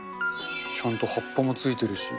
ちゃんと葉っぱもついてるし。